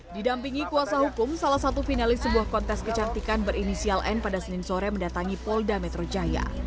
didampingi kuasa hukum salah satu finalis sebuah kontes kecantikan berinisial n pada senin sore mendatangi polda metro jaya